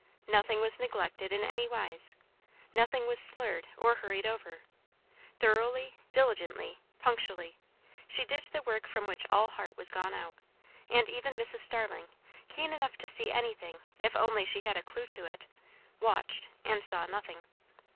Nothing was neglected in any wise, nothing was slurred or hurried over; thoroughly, diligently, punctually, she did the work from which all heart was gone out, and even Mrs. Starling, keen enough to see anything if only she had a clue to it, watched and saw nothing.